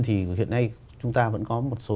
thì hiện nay chúng ta vẫn có một số